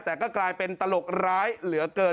แต่ก็กลายเป็นตลกร้ายเหลือเกิน